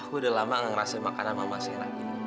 aku udah lama gak ngerasain makanan mama segera